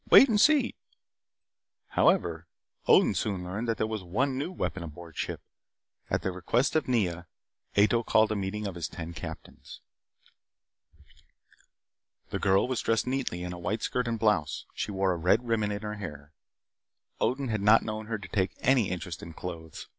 Wait and see " However, Odin soon learned that there was one new weapon aboard ship. At the request of Nea, Ato called a meeting of his ten captains. The girl was dressed neatly in a white skirt and blouse. She wore a red ribbon in her hair. Odin had not known her to take any interest in clothes.